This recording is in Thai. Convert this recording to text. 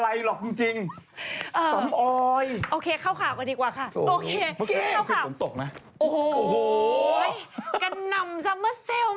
ข้าวใส่ข้าว